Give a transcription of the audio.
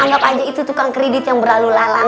anggap aja itu tukang kredit yang berlalu lalang